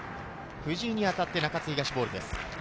藤井に当たって中津東ボールです。